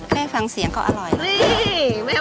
แค่ฟังเสียงก็อร่อย